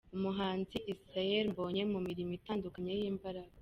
Umuhanzi Israel Mbonyi mu mirimo itandukanye y'imbaraga.